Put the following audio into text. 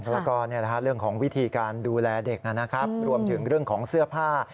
แล้วก็เรื่องของวิธีการดูแลเด็กนะครับรวมถึงเรื่องของเสื้อผ้า